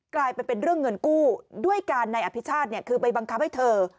กลายเป็นเรื่องเงินกู้ด้วยการนายอภิชาติคือไปบังคับให้เธอ